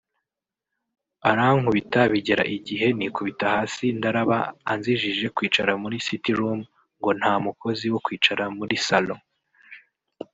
arankubita bigera igihe nikubita hasi ndaraba anzijije kwicara muri city room ngo nta mukozi wo kwicara muri salon